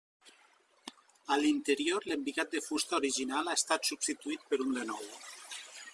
A l'interior, l'embigat de fusta original ha estat substituït per un de nou.